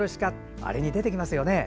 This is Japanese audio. あれに出てきますよね。